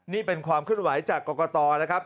นี่เป็นความเคลื่อนไหวจากกรกตนะครับ